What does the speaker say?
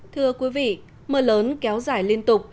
thưa quý vị mưa lớn kéo dài liên tục